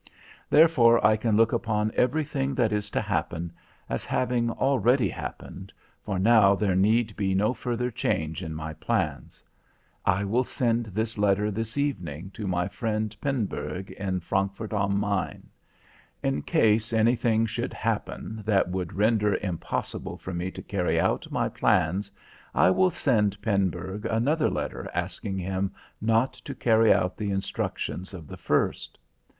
Therefore I can look upon everything that is to happen, as having already happened, for now there need be no further change in my plans. I will send this letter this evening to my friend Pernburg in Frankfurt am Main. In case anything should happen that would render impossible for me to carry out my plans, I will send Pernburg another letter asking him not to carry out the instructions of the first.